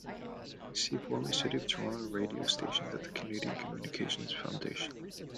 Please see former City of Toronto radio stations at the Canadian Communications Foundation.